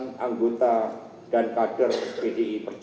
tentang kekuatan rakyat jalan kebenaran yang berjaya